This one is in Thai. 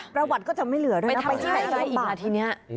ประวัติก็จะไม่เหลือด้วยนะไปใช้อะไรอีกมาทีนี้